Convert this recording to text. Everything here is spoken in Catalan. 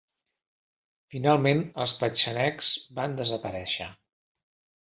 Finalment els petxenegs van desaparèixer.